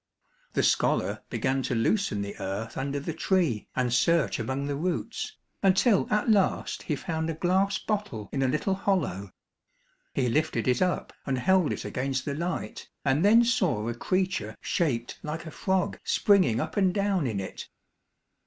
The scholar began to loosen the earth under the tree, and search among the roots, until at last he found a glass bottle in a little hollow. He lifted it up and held it against the light, and then saw a creature shaped like a frog, springing up and down in it.